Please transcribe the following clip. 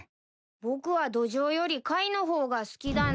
僕はドジョウより貝の方が好きだな。